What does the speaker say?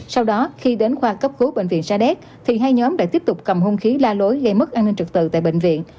sau đó khi đến khoa cấp cứu bệnh viện sa đéc thì hai nhóm đã tiếp tục cầm hung khí la lối gây mất an ninh trực tự tại bệnh viện